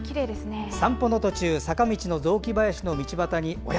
散歩の途中坂道の雑木林の道端におや？